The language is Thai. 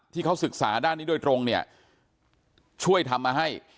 ที่เขาศึกษาด้านนี้โดยตรงเนี่ยช่วยทำมาให้